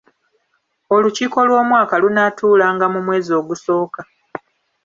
Olukiiko lw'Omwaka lunaatuulanga mu mwezi ogusooka.